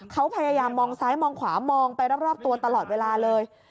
เขาพยายามมองซ้ายมองขวามองไปรอบตัวตลอดเวลาเลย